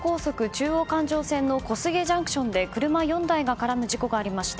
中央環状線の小菅ＪＣＴで車４台が絡む事故がありました。